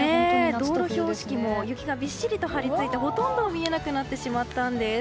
道路標識も雪がびっしりと張り付いてほとんど見えなくなってしまったんです。